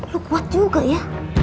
lo kuat juga ya